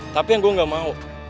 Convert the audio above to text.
tapi yang gue gak mau